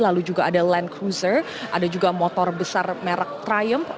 ada juga motor besar merk triumph